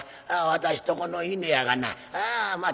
私とこの犬やがなあまあ